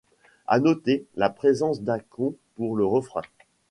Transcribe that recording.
À noter, la présence d'Akon pour le refrain.